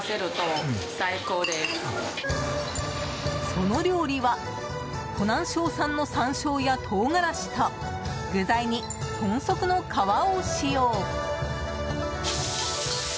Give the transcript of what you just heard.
その料理は湖南省産の山椒や唐辛子と具材に豚足の皮を使用。